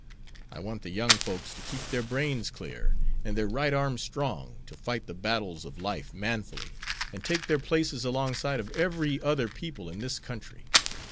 I want the young folks to keep their brains clear, and their right arms strong, to fight the battles of life manfully, and take their places alongside of every other people in this country.